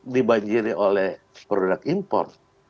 dibanjiri oleh produk import